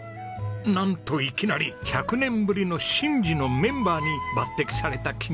なんといきなり１００年ぶりの神事のメンバーに抜擢された公伸さん。